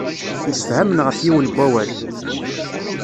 Msefhamen ɣef yiwen wawal.